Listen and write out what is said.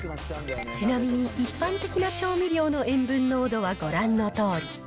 ちなみに一般的な調味料の塩分濃度はご覧のとおり。